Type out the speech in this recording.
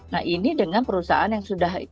nah ini dengan perusahaan yang sudah